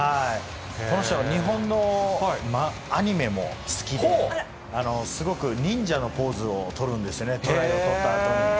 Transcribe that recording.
この人は日本のアニメも好きで、すごく忍者のポーズを取るんですよね、トライを取ったあとに。